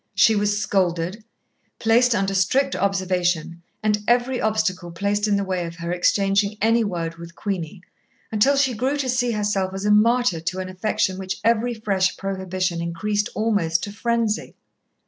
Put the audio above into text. She was scolded, placed under strict observation, and every obstacle placed in the way of her exchanging any word with Queenie, until she grew to see herself as a martyr to an affection which every fresh prohibition increased almost to frenzy.